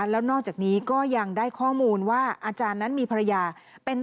แล้วนอกจากนี้ก็ยังได้ข้อมูลว่าอาจารย์นั้นมีภรรยาเป็น